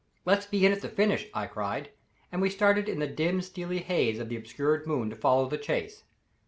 "Let's be in at the finish," I cried, and we started in the dim steely haze of the obscured moon to follow the chase.